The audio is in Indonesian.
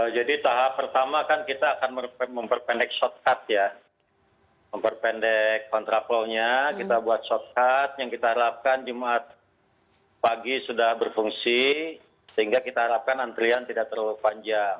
jadi tahap pertama kan kita akan memperpendek shortcut ya memperpendek kontraplonya kita buat shortcut yang kita harapkan jumat pagi sudah berfungsi sehingga kita harapkan antrian tidak terlalu panjang